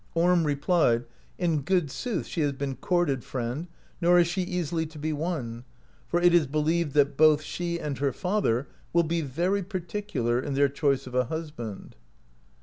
Orm replies : "In good sooth she has been courted, friend, nor is she easily to be won, for it is believed that both she and her father will be very particular in their choice of a husband."